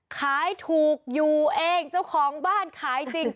ขายถูกอยู่เองเจ้าของบ้านขายจริง